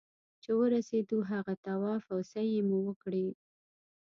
چې ورسېدو هغه طواف او سعيې مو وکړې.